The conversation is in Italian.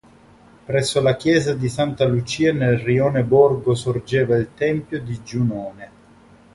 Presso la chiesa di Santa Lucia nel rione Borgo sorgeva il tempio di Giunone.